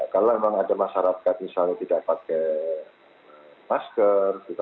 kalau memang ada masyarakat yang cas ako advise to all people